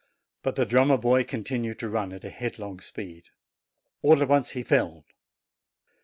But the drummer continued to run at a headlong speed. All at once he fell.